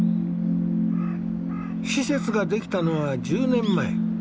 施設が出来たのは１０年前。